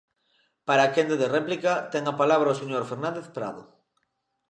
Para a quenda de réplica, ten a palabra o señor Fernández Prado.